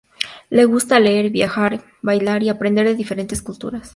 Le gusta leer, viajar, bailar y aprender de diferentes culturas.